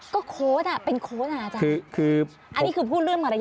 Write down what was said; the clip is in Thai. ก็โค้ดอ่ะเป็นโค้ดอ่ะอาจารย์